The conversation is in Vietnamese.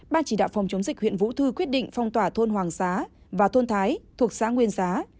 ban chỉ đạo phòng chống dịch huyện vũ thư quyết định phong tỏa thôn hoàng xá và thôn thái thuộc xã nguyên giá